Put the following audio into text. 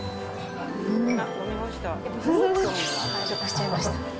完食しちゃいました。